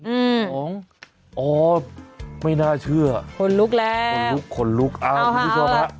อืมของอ๋อไม่น่าเชื่อคนลุกแล้วคนลุกคนลุกอ้าวคุณผู้ชมฮะ